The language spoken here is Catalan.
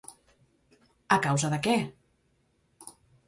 A causa de què?